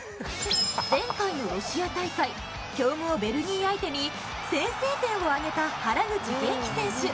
前回のロシア大会強豪ベルギー相手に先制点を挙げた原口元気選手。